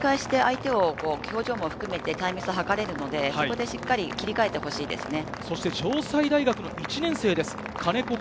折り返しで相手を表情も含めて、隊列をはかれるので、そこで切り替えてほしいですね。